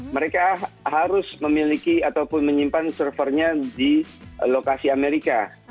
mereka harus memiliki ataupun menyimpan servernya di lokasi amerika